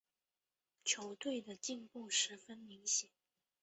球队的进步十分明显。